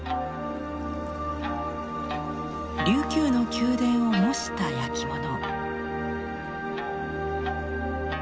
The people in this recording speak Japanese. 琉球の宮殿を模した焼き物。